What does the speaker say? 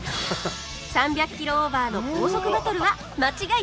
３００キロオーバーの高速バトルは間違いなしです！